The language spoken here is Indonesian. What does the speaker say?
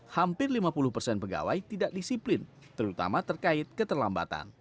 hampir lima puluh persen pegawai tidak disiplin terutama terkait keterlambatan